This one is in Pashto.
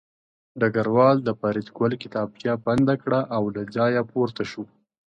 ډګروال د فریدګل کتابچه بنده کړه او له ځایه پورته شو